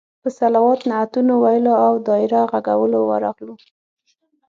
په صلوات، نعتونو ویلو او دایره غږولو ورغلو.